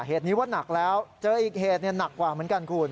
เหตุนี้ว่าหนักแล้วเจออีกเหตุหนักกว่าเหมือนกันคุณ